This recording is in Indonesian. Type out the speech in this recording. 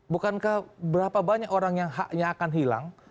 bukankah berapa banyak orang yang haknya akan hilang